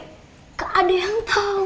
gak ada yang tau